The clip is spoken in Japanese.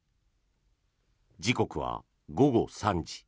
時刻は午後３時。